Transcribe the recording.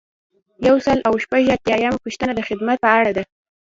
یو سل او شپږ اتیایمه پوښتنه د خدمت په اړه ده.